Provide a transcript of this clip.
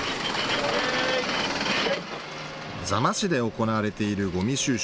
座間市で行われているゴミ収集。